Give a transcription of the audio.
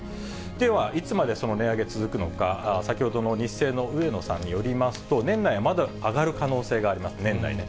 では、いつまでその値上げ続くのか、先ほどのニッセイの上野さんによりますと、年内はまだ上がる可能性があります、年内で。